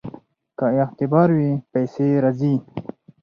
که اعتبار وي پیسې راځي.